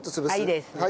いいです。